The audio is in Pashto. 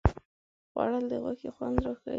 خوړل د غوښې خوند راښيي